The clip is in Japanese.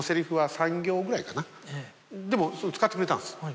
でも使ってくれたんです。